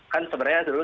kan sebenarnya dulu